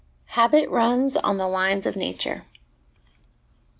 Habit runs on the Lines of Nature.